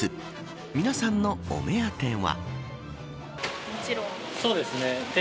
皆さんのお目当ては。